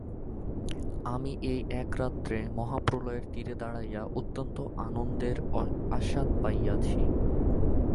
আমি এই এক রাত্রে মহাপ্রলয়ের তীরে দাঁড়াইয়া অনন্ত আনন্দের আস্বাদ পাইয়াছি।